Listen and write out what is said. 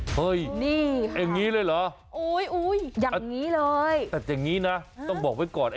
เฮ้ยนี่อย่างนี้เลยเหรออย่างนี้เลยแต่อย่างนี้นะต้องบอกไว้ก่อน